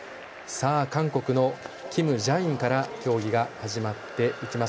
韓国のキム・ジャインから競技が始まっていきます。